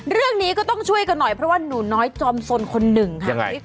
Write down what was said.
เรื่องนี้ก็ต้องช่วยกันหน่อยเพราะว่าหนูน้อยจอมสนคนหนึ่งค่ะ